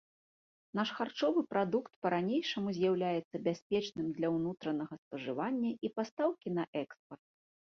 Наш харчовы прадукт па-ранейшаму з'яўляецца бяспечным для ўнутранага спажывання і пастаўкі на экспарт.